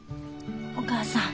お母さん